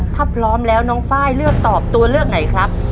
ถ้าพร้อมแล้วน้องไฟล์เลือกตอบตัวเลือกไหนครับ